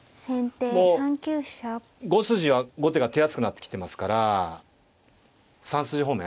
５筋は後手が手厚くなってきてますから３筋方面